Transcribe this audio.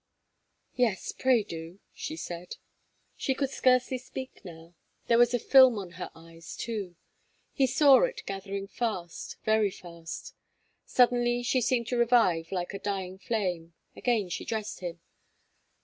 "Yes, pray do," she said. She could scarcely speak now; there was a film on her eyes, too. He saw it gathering fast, very fast. Suddenly she seemed to revive like a dying flame. Again she addressed him.